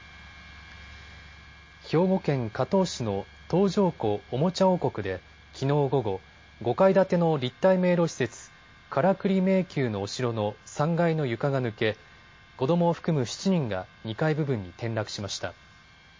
兵庫県加東市の東条湖おもちゃ王国できのう午後、５階建ての立体迷路施設、カラクリ迷宮のお城の３階の床が抜け子どもを含む７人が２階部分に転落しました。